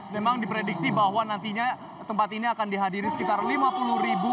memang diprediksi bahwa nantinya tempat ini akan dihadiri sekitar lima puluh ribu